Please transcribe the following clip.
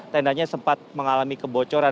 tendanya sempat mengalami kebocoran